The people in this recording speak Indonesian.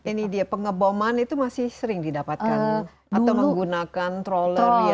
ini dia pengeboman itu masih sering didapatkan atau menggunakan troller